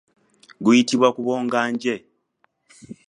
Guyitibwa kubonga nje.